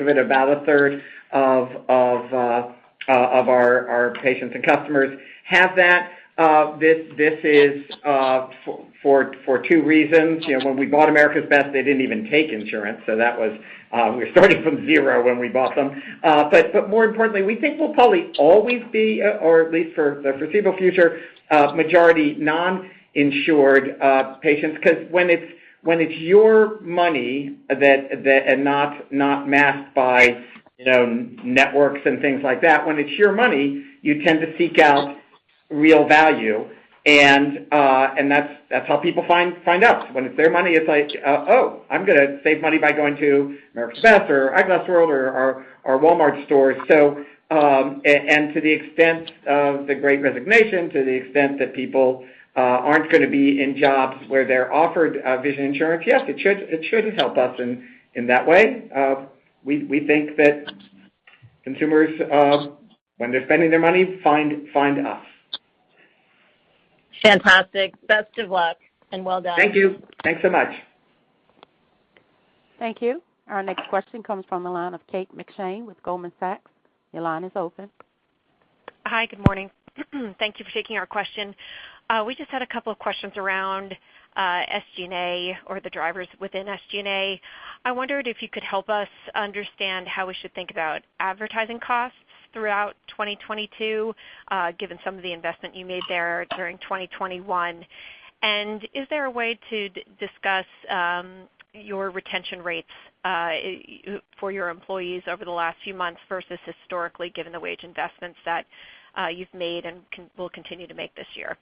of it about a third of our patients and customers have that. This is for two reasons. You know, when we bought America's Best, they didn't even take insurance, so we were starting from zero when we bought them. More importantly, we think we'll probably always be, or at least for the foreseeable future, majority non-insured patients, 'cause when it's your money that and not masked by, you know, networks and things like that, when it's your money, you tend to seek out real value. That's how people find us. When it's their money, it's like, "Oh, I'm gonna save money by going to America's Best or Eyeglass World or our Walmart stores." To the extent of the Great Resignation, to the extent that people aren't gonna be in jobs where they're offered vision insurance, yes, it should help us in that way. We think that consumers, when they're spending their money, find us. Fantastic. Best of luck, and well done. Thank you. Thanks so much. Thank you. Our next question comes from the line of Kate McShane with Goldman Sachs. Your line is open. Hi. Good morning. Thank you for taking our question. We just had a couple of questions around SG&A or the drivers within SG&A. I wondered if you could help us understand how we should think about advertising costs throughout 2022, given some of the investment you made there during 2021. Is there a way to discuss your retention rates for your employees over the last few months versus historically, given the wage investments that you've made and will continue to make this year?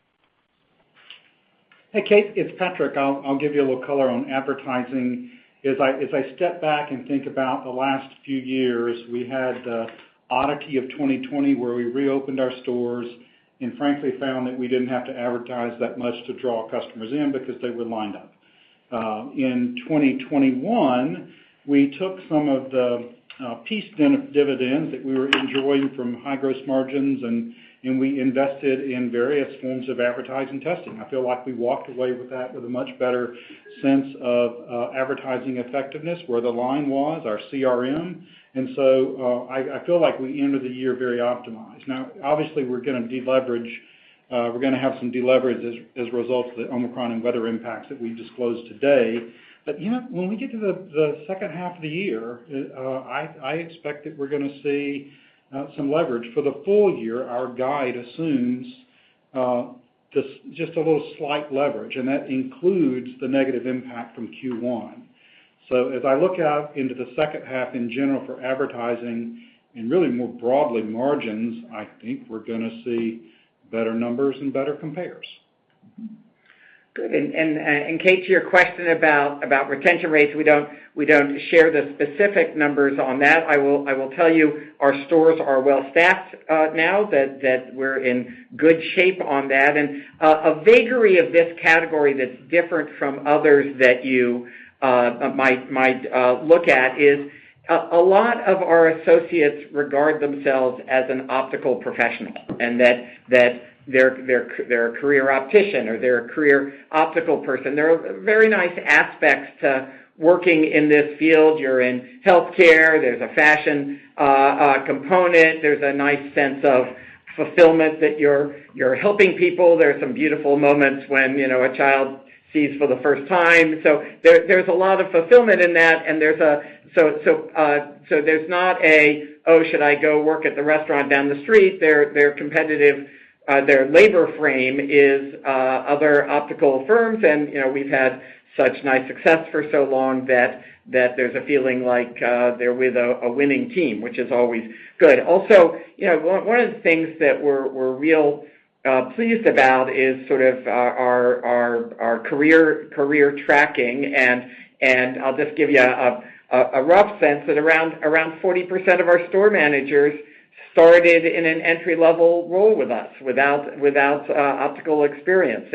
Hey, Kate, it's Patrick. I'll give you a little color on advertising. As I step back and think about the last few years, we had the oddity of 2020 where we reopened our stores and frankly found that we didn't have to advertise that much to draw customers in because they were lined up. In 2021, we took some of the piece then of dividends that we were enjoying from high gross margins, and we invested in various forms of advertising testing. I feel like we walked away with a much better sense of advertising effectiveness, where the line was, our CRM. I feel like we ended the year very optimized. Now, obviously, we're gonna deleverage. We're gonna have some deleverage as a result of the Omicron and weather impacts that we disclosed today. You know, when we get to the second half of the year, I expect that we're gonna see some leverage. For the full year, our guide assumes just a little slight leverage, and that includes the negative impact from Q1. As I look out into the second half in general for advertising and really more broadly margins, I think we're gonna see better numbers and better compares. Good. Kate, to your question about retention rates, we don't share the specific numbers on that. I will tell you our stores are well staffed, now that we're in good shape on that. A vagary of this category that's different from others that you might look at is... A lot of our associates regard themselves as an optical professional, and that they're a career optician or they're a career optical person. There are very nice aspects to working in this field. You're in healthcare. There's a fashion component. There's a nice sense of fulfillment that you're helping people. There are some beautiful moments when, you know, a child sees for the first time. There's a lot of fulfillment in that. There's not a, "Oh, should I go work at the restaurant down the street?" They're competitive, their labor frame is other optical firms and, you know, we've had such nice success for so long that there's a feeling like, they're with a winning team, which is always good. Also, you know, one of the things that we're real pleased about is sort of our career tracking. I'll just give you a rough sense that around 40% of our store managers started in an entry-level role with us without optical experience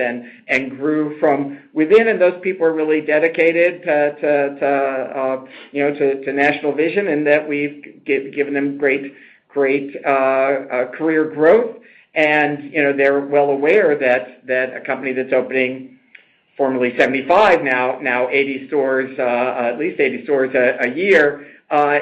and grew from within. Those people are really dedicated to you know, to National Vision and that we've given them great career growth. You know, they're well aware that a company that's opening formerly 75, now 80 stores, at least 80 stores a year,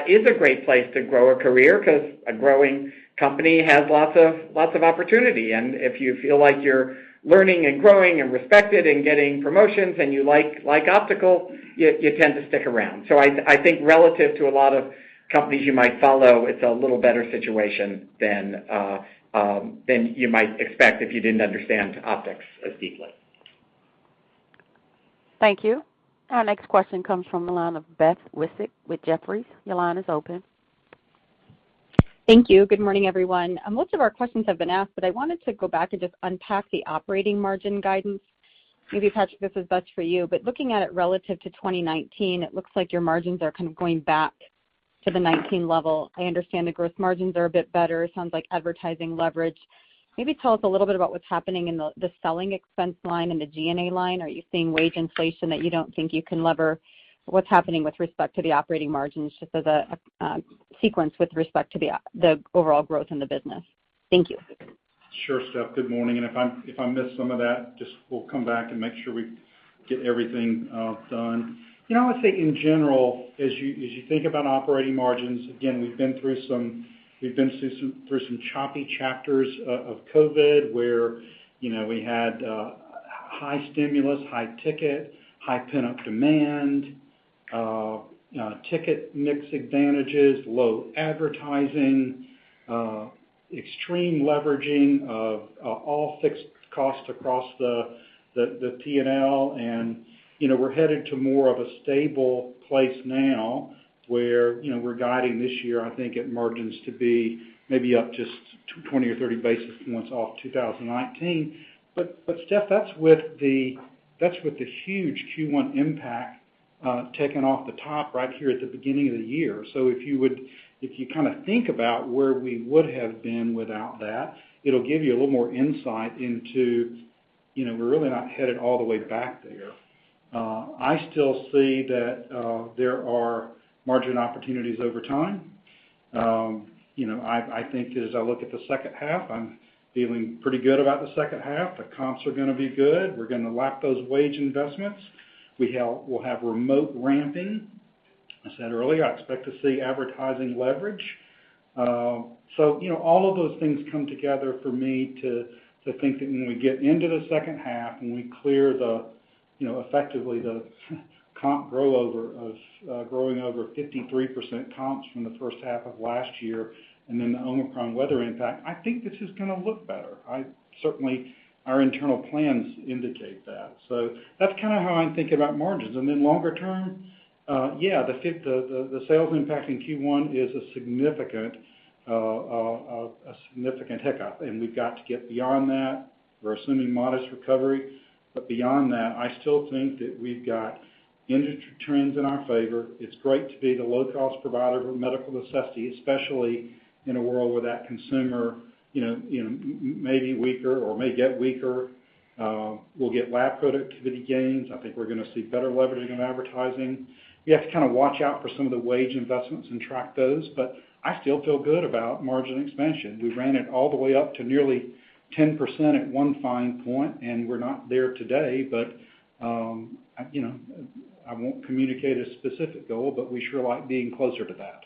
is a great place to grow a career 'cause a growing company has lots of opportunity. If you feel like you're learning and growing and respected and getting promotions and you like optical, you tend to stick around. I think relative to a lot of companies you might follow, it's a little better situation than you might expect if you didn't understand optics as deeply. Thank you. Our next question comes from the line of Steph Wissink with Jefferies. Your line is open. Thank you. Good morning, everyone. Most of our questions have been asked, but I wanted to go back and just unpack the operating margin guidance. Maybe, Patrick, this is best for you. Looking at it relative to 2019, it looks like your margins are kind of going back to the 2019 level. I understand the gross margins are a bit better. It sounds like advertising leverage. Maybe tell us a little bit about what's happening in the selling expense line and the G&A line. Are you seeing wage inflation that you don't think you can leverage? What's happening with respect to the operating margins, just as a sequence with respect to the overall growth in the business? Thank you. Sure, Steph. Good morning. If I miss some of that, just we'll come back and make sure we get everything done. You know, I would say in general, as you think about operating margins, again, we've been through some choppy chapters of COVID where, you know, we had high stimulus, high ticket, high pent-up demand, ticket mix advantages, low advertising, extreme leveraging of all fixed costs across the P&L. You know, we're headed to more of a stable place now, where, you know, we're guiding this year, I think at margins to be maybe up just 20 or 30 basis points off 2019. Steph, that's with the huge Q1 impact taken off the top right here at the beginning of the year. If you kinda think about where we would have been without that, it'll give you a little more insight into, we're really not headed all the way back there. I still see that there are margin opportunities over time. I think as I look at the second half, I'm feeling pretty good about the second half. The comps are gonna be good. We're gonna lap those wage investments. We'll have remote ramping. I said earlier, I expect to see advertising leverage. You know, all of those things come together for me to think that when we get into the second half and we clear the, you know, effectively the comp growth over of growing over 53% comps from the first half of last year and then the Omicron weather impact, I think this is gonna look better. Certainly, our internal plans indicate that. That's kinda how I'm thinking about margins. Longer term, yeah, the sales impact in Q1 is a significant hiccup, and we've got to get beyond that. We're assuming modest recovery. Beyond that, I still think that we've got industry trends in our favor. It's great to be the low cost provider of a medical necessity, especially in a world where that consumer, you know, may be weaker or may get weaker. We'll get lab productivity gains. I think we're gonna see better leveraging of advertising. We have to kinda watch out for some of the wage investments and track those, but I still feel good about margin expansion. We ran it all the way up to nearly 10% at one point, and we're not there today. You know, I won't communicate a specific goal, but we sure like being closer to that.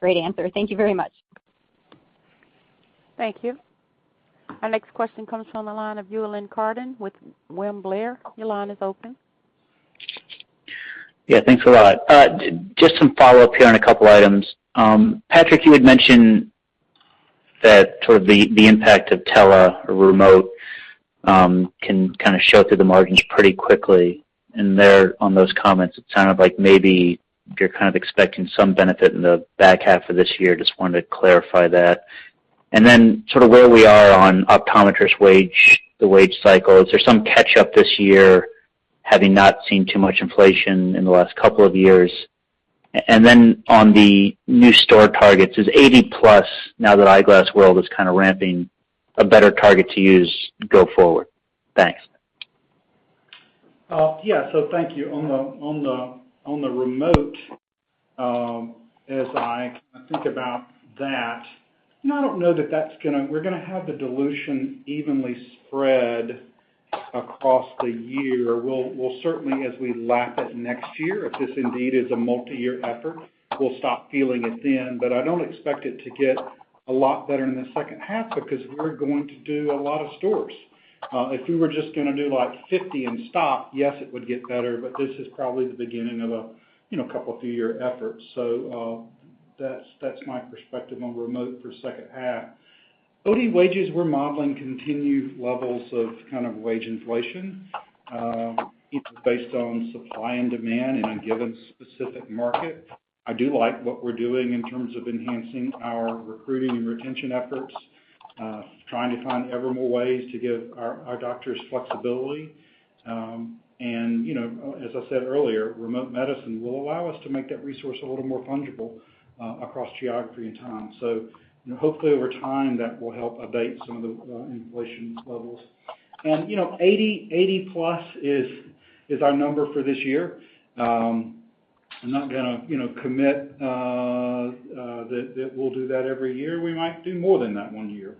Great answer. Thank you very much. Thank you. Our next question comes from the line of Dylan Carden with William Blair. Your line is open. Yeah, thanks a lot. Just some follow-up here on a couple items. Patrick, you had mentioned that sort of the impact of tele or remote can kinda show through the margins pretty quickly. There, on those comments, it sounded like maybe you're kind of expecting some benefit in the back half of this year. Just wanted to clarify that. Sort of where we are on optometrists wage, the wage cycle. Is there some catch up this year, having not seen too much inflation in the last couple of years? On the new store targets, is 80+, now that Eyeglass World is kinda ramping, a better target to use go forward? Thanks. Thank you. On the remote, as I kind of think about that, no, I don't know that that's gonna—we're gonna have the dilution evenly spread across the year. We'll certainly, as we lap it next year, if this indeed is a multiyear effort, we'll stop feeling it then. But I don't expect it to get a lot better in the second half because we're going to do a lot of stores. If we were just gonna do, like, 50 and stop, yes, it would get better, but this is probably the beginning of a, you know, couple of few year efforts. That's my perspective on remote for second half. OD wages, we're modeling continued levels of kind of wage inflation, each based on supply and demand in a given specific market. I do like what we're doing in terms of enhancing our recruiting and retention efforts, trying to find ever more ways to give our doctors flexibility. You know, as I said earlier, remote medicine will allow us to make that resource a little more fungible across geography and time. You know, hopefully, over time, that will help abate some of the inflation levels. You know, 80+ is our number for this year. I'm not gonna, you know, commit that we'll do that every year. We might do more than that one year.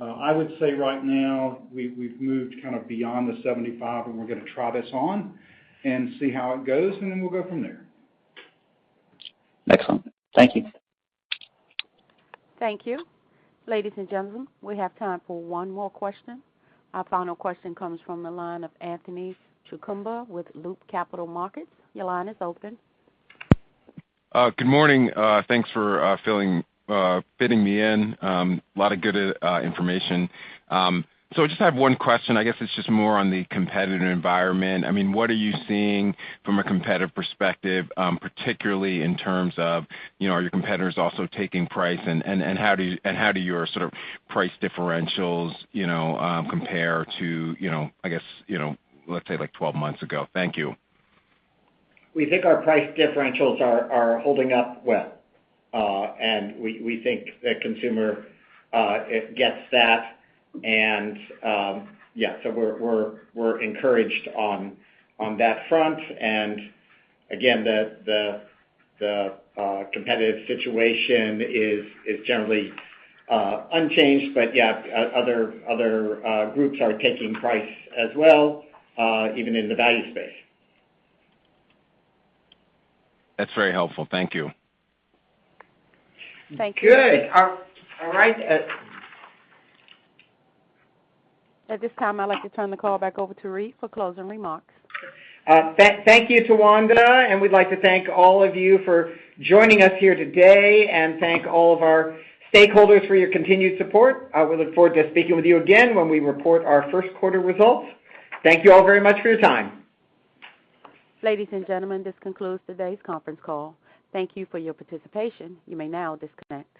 I would say right now, we've moved kind of beyond the 75, and we're gonna try this out and see how it goes, and then we'll go from there. Excellent. Thank you. Thank you. Ladies and gentlemen, we have time for one more question. Our final question comes from the line of Anthony Chukumba with Loop Capital Markets. Your line is open. Good morning. Thanks for fitting me in, a lot of good information. I just have one question. I guess it's just more on the competitive environment. I mean, what are you seeing from a competitive perspective, particularly in terms of, you know, are your competitors also taking price and how do your sort of price differentials, you know, compare to, you know, I guess, you know, let's say, like, 12 months ago? Thank you. We think our price differentials are holding up well. We think the consumer gets that. Yeah, we're encouraged on that front. Again, the competitive situation is generally unchanged. Yeah, other groups are taking price as well, even in the value space. That's very helpful. Thank you. Thank you. Good. All right. At this time, I'd like to turn the call back over to Reade for closing remarks. Thank you, Tawanda. We'd like to thank all of you for joining us here today and thank all of our stakeholders for your continued support. We look forward to speaking with you again when we report our first quarter results. Thank you all very much for your time. Ladies and gentlemen, this concludes today's conference call. Thank you for your participation. You may now disconnect.